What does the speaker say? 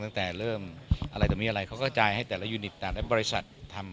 ตั้งแต่เริ่มอะไรแต่มีอะไรเขาก็จ่ายให้แต่ละยูนิตแต่ละบริษัททำ